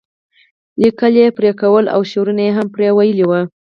لیکل یې پرې کولی او شعرونه یې هم پرې ویلي وو.